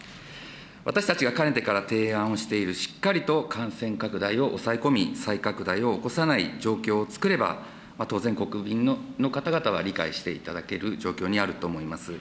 私たちがかねてから提案をしている、しっかりと感染拡大を抑え込み、再拡大を起こさない状況を作れば、当然国民の方々は理解していただける状況にあると思います。